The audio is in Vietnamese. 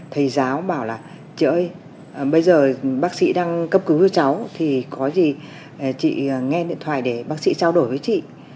thầy giáo bảo là ơi bây giờ bác sĩ đang cấp cứu cho cháu thì có gì chị nghe điện thoại để bác sĩ trao đổi với chị